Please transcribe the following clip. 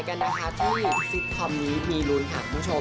กันนะคะที่ซิตคอมนี้มีลุ้นค่ะคุณผู้ชม